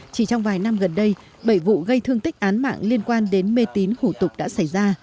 chỉ trong vài năm gần đây bảy vụ gây thương tích án mạng liên quan đến mê tín hủ tục đã xảy ra